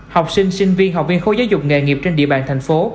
học sinh sinh viên học viên khối giáo dục nghề nghiệp trên địa bàn thành phố